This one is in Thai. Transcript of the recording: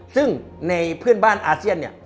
ซึ่งในเพื่อนบ้านอาเซียน